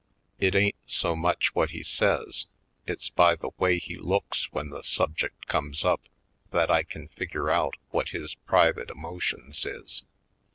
It ain't so much what he says; it's by the way he looks when the subject comes up that I can figure out what his private emotions is.